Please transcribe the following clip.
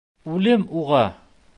Үлем уға!